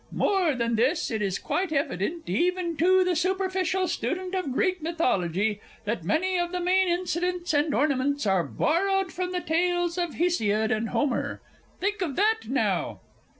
"more than this, it is quite evident, even to the superficial student of Greek mythology, that many of the main incidents and ornaments are borrowed from the tales of Hesiod and Homer." Think of that, now!